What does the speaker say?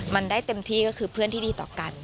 มันได้เต็มที่ก็คือเพื่อนที่ดีต่อกัน